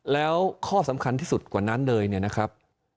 แล้วข้อสำคัญที่สุดกว่านั้นเลยเนี่ยนะครับ